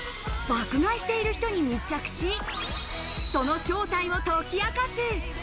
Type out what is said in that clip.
爆買いしている人に密着し、その正体を解き明かす。